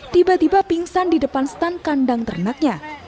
tiba tiba pingsan di depan stand kandang ternaknya